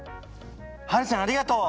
はるちゃんありがとう！